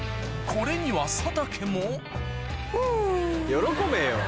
これには佐竹も喜べよ。